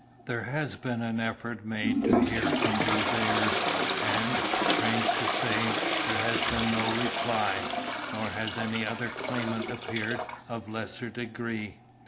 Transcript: There has been an effort made to hear from these heirs, and, strange to say, there has been no reply, nor has any other claimant appeared of lesser degree.